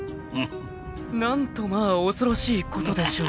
［なんとまあ恐ろしいことでしょう］